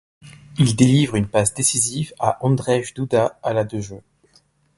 Il délivre une passe décisive à Ondrej Duda à la de jeu.